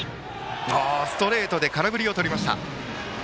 ストレートで空振りを取りました。